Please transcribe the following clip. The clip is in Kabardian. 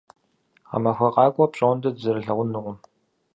Гъэмахуэ къакӏуэ пщӏондэ дызэрылъэгъунукъым.